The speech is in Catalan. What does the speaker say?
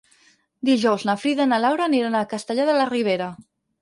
Dijous na Frida i na Laura aniran a Castellar de la Ribera.